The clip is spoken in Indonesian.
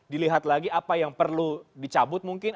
dilihat lagi apa yang perlu dicabut mungkin